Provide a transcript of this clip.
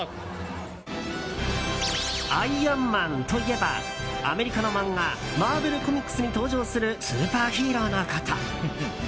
アイアンマンといえばアメリカの漫画「マーベル・コミックス」に登場するスーパーヒーローのこと。